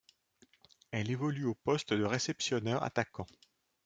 Elle évolue au poste de réceptionneur-attaquant.